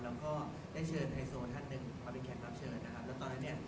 แล้วก็ได้เชิญให้โซ่ท่านดึงโลกเข้าเป็นของเชิญ